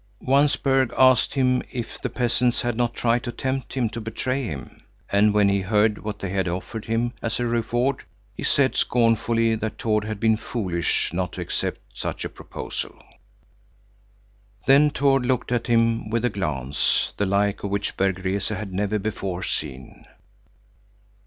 Once Berg asked him if the peasants had not tried to tempt him to betray him, and when he heard what they had offered him as a reward, he said scornfully that Tord had been foolish not to accept such a proposal. Then Tord looked at him with a glance, the like of which Berg Rese had never before seen.